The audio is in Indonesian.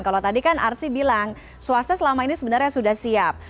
kalau tadi kan arsi bilang swasta selama ini sebenarnya sudah siap